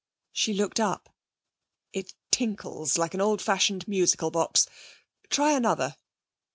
She looked up. 'It tinkles like an old fashioned musical box. Try another.'